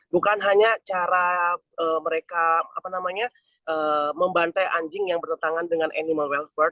bukan hanya cara mereka membantai anjing yang bertentangan dengan animal welfare